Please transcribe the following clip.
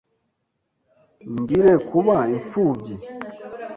Ngire kuba imfubyi